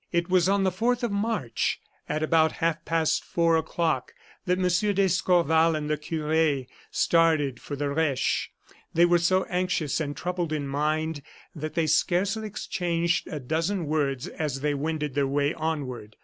It was on the 4th of March, at about half past four o'clock, that M. d'Escorval and the cure started for the Reche. They were so anxious and troubled in mind that they scarcely exchanged a dozen words as they wended their way onward.